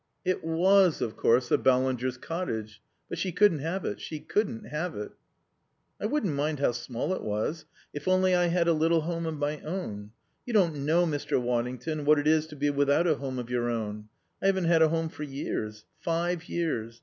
It was, of course, the Ballingers' cottage. But she couldn't have it. She couldn't have it. "I wouldn't mind how small it was. If only I had a little home of my own. You don't know, Mr. Waddington, what it is to be without a home of your own. I haven't had a home for years. Five years.